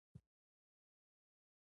ښوونکي راغلل چې زه په چرت کې ډوب یم.